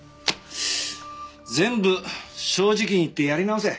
全部正直に言ってやり直せ。